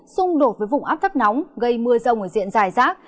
xung đột với vùng áp thấp nóng gây mưa rông ở diện dài rác